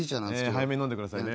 早めに飲んでくださいね。